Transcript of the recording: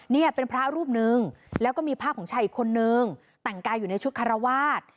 นี่เป็นพระรูปนึงแล้วก็มีภาพของชายอีกคนนึงแต่งกายอยู่ในชุดคารวาส